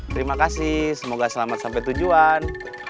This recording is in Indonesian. terima kasih semoga selamat sampai tujuan